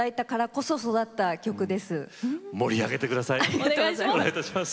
ありがとうございます。